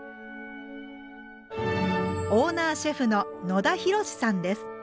オーナーシェフの野田浩資さんです。